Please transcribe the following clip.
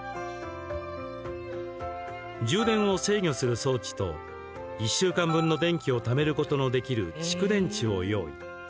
充電を制御する装置と１週間分の電気をためることのできる蓄電池を用意。